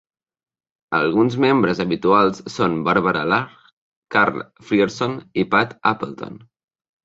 Alguns membres habituals són Barbara Lahr, Karl Frierson i Pat Appleton.